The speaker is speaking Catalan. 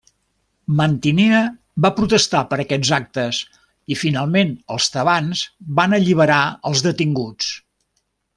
Mantinea va protestar per aquests actes i finalment els tebans van alliberar als detinguts.